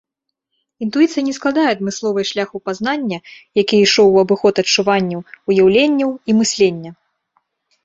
Інтуіцыя не складае адмысловай шляху пазнання, які ішоў у абыход адчуванняў, уяўленняў і мыслення.